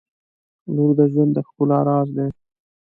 • لور د ژوند د ښکلا راز دی.